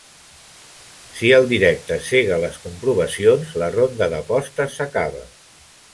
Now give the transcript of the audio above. Si el directe cega les comprovacions, la ronda d'apostes s'acaba.